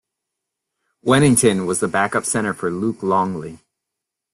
Wennington was the backup center for Luc Longley.